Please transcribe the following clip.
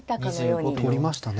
取りましたね。